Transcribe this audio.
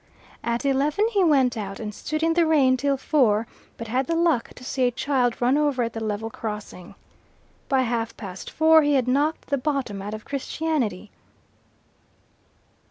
At eleven he went out, and stood in the rain till four, but had the luck to see a child run over at the level crossing. By half past four he had knocked the bottom out of Christianity."